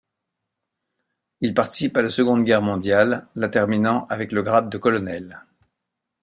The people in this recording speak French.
Il participe à la Seconde Guerre mondiale, la terminant avec le grade de colonel.